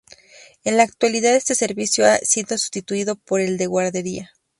En la actualidad este servicio ha sido sustituido por el de guardería.